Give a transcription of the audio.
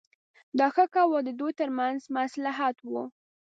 دا ښه کوه د دوی ترمنځ مصلحت و.